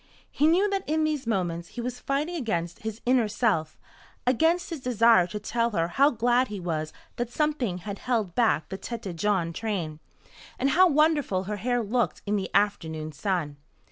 He knew that in these moments he was fighting against his inner self against his desire to tell her how glad he was that something had held back the Tête Jaune train, and how wonderful her hair looked in the afternoon sun.